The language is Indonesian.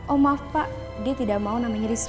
om apa dia tidak mau namanya disitu